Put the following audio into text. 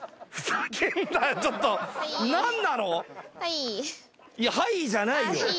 いや「はいー」じゃないよ。